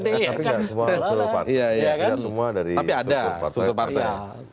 tapi gak semua dari struktur partai